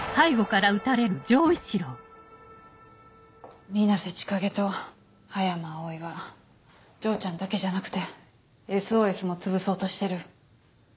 銃声水瀬千景と葉山葵は丈ちゃんだけじゃなくて「ＳＯＳ」もつぶそうとしてる。